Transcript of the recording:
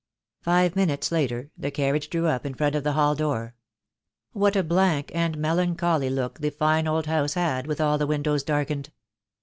Five minutes later the carriage drew up in front of the hall door. What a blank and melancholy look the fine old house had with all the windows darkened.